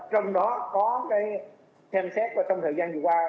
trong đó có cái xem xét trong thời gian vừa qua